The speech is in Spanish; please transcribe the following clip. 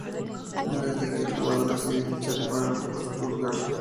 Bundesliga y el jugador decide fichar por el VfB Stuttgart.